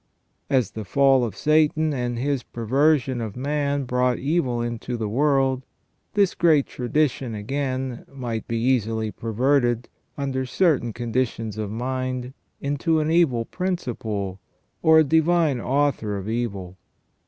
As the fall of Satan and his perversion of man brought evil into the world, this great tradition, again, might easily be perverted, under certain conditions of mind, into an evil principle, or a divine author of 174 ON EVIL AND THE ORIGIN OF EVIL. evil.